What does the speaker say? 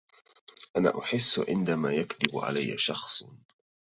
أنا أحس عندما يكذب علي شخص